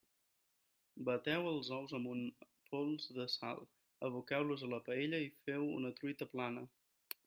Bateu els ous amb un pols de sal, aboqueu-los a la paella i feu una truita plana.